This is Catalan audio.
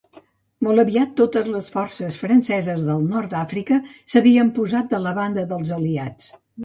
Molt aviat totes les forces franceses del Nord d'Àfrica s'havien posat de la banda dels Aliats.